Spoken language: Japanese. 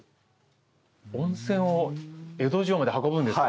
温泉を江戸城まで運ぶんですか？